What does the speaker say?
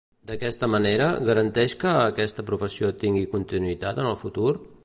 D'aquesta manera, garanteix que aquesta professió tingui continuïtat en el futur?